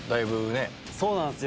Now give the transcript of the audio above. そうなんすよ。